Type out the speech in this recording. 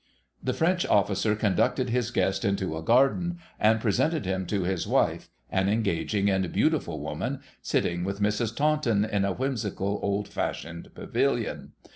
' The French officer conducted his guest into a garden and presented him to his wife, an engaging and beautiful woman, sitting with Mrs. Taunton in a whimsical old fashioned pavilion.